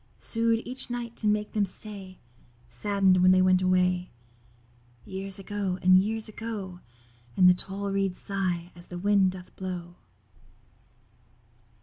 Sued each night to make them stay, Sadden'd when they went away. Years ago, and years ago; And the tall reeds sigh as the wind doth blow.